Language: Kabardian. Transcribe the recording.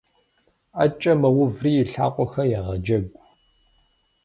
Ӏэкӏэ мэуври и лъакъуэхэр егъэджэгу.